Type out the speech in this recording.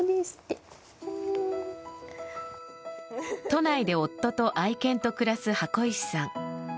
都内で夫と愛犬と暮らす箱石さん。